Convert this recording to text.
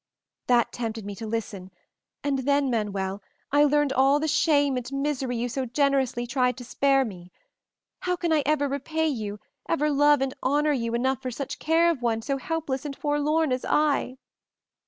That tempted me to listen, and then, Manuel, I learned all the shame and misery you so generously tried to spare me. How can I ever repay you, ever love and honor you enough for such care of one so helpless and forlorn as I?"